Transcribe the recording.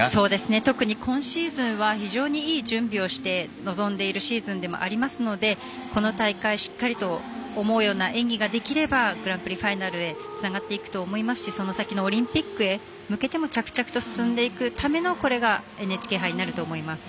特に今シーズンは非常にいい準備をして臨んでいるシーズンでもありますのでこの大会、しっかりと思うような演技ができればグランプリファイナルへつながっていくと思いますしその先のオリンピックへ向けても着々と進んでいくためのＮＨＫ杯になると思います。